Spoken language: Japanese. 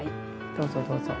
どうぞどうぞ。